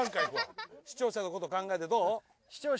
視聴者のこと考えてどう？